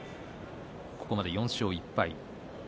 ここまで４勝１敗です。